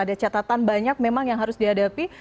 ada catatan banyak memang yang harus dihadapi